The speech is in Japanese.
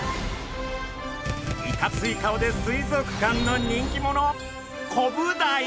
いかつい顔で水族館の人気者コブダイ！